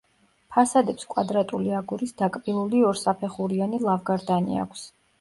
ფასადებს კვადრატული აგურის დაკბილული ორსაფეხურიანი ლავგარდანი აქვს.